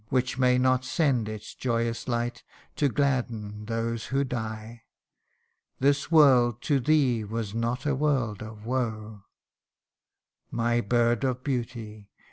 Which may not send its joyous light To gladden those who die. This world to thee was not a world of woe : My bird of beauty